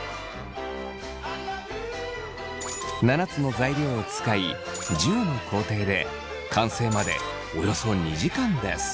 ７つの材料を使い１０の工程で完成までおよそ２時間です。